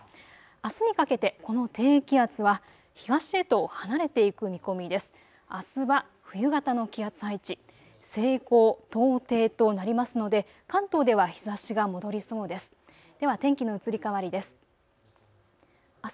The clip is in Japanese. あすにかけてこの低気圧は東へと離れていく見込みです。